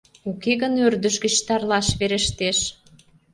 Уке гын ӧрдыж гыч тарлаш верештеш.